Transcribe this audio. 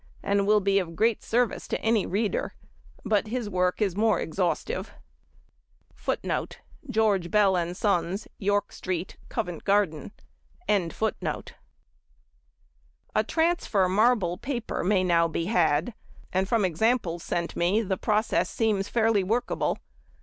and will be of great service to any reader, but his work is more exhaustive. George Bell and Sons, York Street, Covent Garden. [Illustration: Leo's Mechanical Marblers.] A transfer marble paper may now be had, and from examples sent me the process seems fairly workable.